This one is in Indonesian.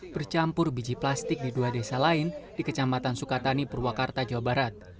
bercampur biji plastik di dua desa lain di kecamatan sukatani purwakarta jawa barat